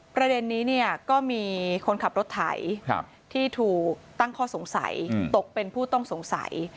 ประเด็นนี้เนี่ยก็มีคนขับรถไถที่ถูกตั้งข้อสงสัยตกเป็นผู้ต้องสงสัย